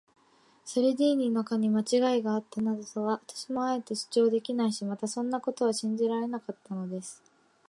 ソルディーニの課にまちがいがあったなどとは、私もあえて主張できないし、またそんなことは信じられなかったのです。